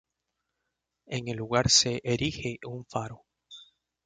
En el lugar se erige un faro.